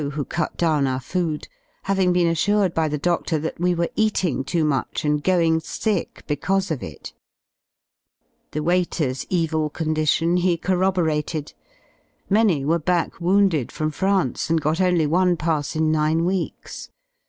who cut down our food, having been assured by the dodlor that we were eating too much and going sick because of it. The waiters' evil condition he corroborated, many were back wounded from France, and got only one pass in nine weeks.